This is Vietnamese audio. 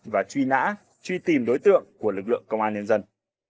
và truy nã truy tìm đối tượng của lực lượng công an nhân dân